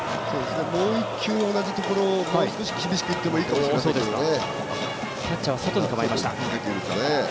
もう一球同じところをもう少し厳しくいってもいいかもしれないですけどね。